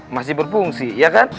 masih berfungsi ya kan